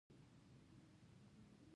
مخ دېوال ته باغ ونیو.